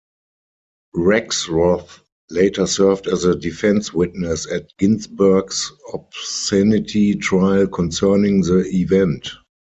Rexroth later served as a defense witness at Ginsberg's obscenity trial concerning the event.